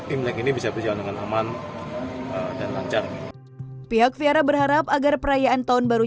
imlek ini bisa berjalan dengan aman dan lancar pihak viara berharap agar perayaan tahun baru